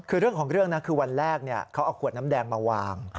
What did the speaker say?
คือเรื่องของเรื่องนะคือวันแรกเขาเอาขวดน้ำแดงมาวาง